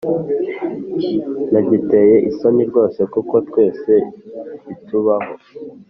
Ntagiteye isoni rwose kuko twese bitubaho